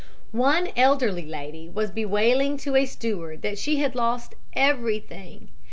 "One elderly lady was bewailing to a steward that she had lost everything.